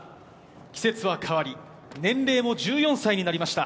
季節は変わり、年齢も１４歳になりました。